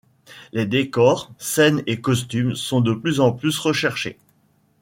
Les décors, scènes et costumes sont de plus en plus recherchés.